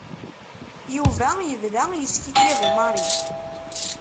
Yuba yebda yeskikiḍ i Mary.